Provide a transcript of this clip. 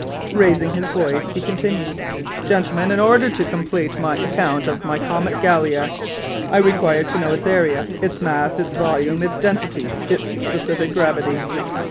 Raising his voice, he continued, "Gentlemen, in order to complete my account of my comet Gallia, I require to know its area, its mass, its volume, its density, its specific gravity."